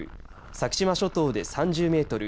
先島諸島で３０メートル